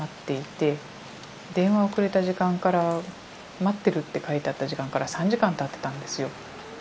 電話をくれた時間から待ってるって書いてあった時間から３時間たってたんですよ。